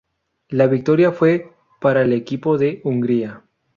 La victoria fue para el equipo de Hungría.